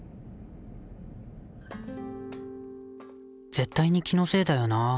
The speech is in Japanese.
絶対に気のせいだよなあ。